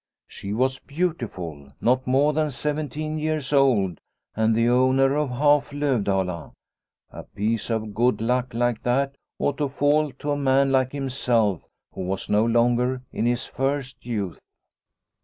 She was beautiful, not more than seventeen years old, and the owner of half Lovdala. A piece of good luck like that ought to fall to a man like himself who was no longer in his first youth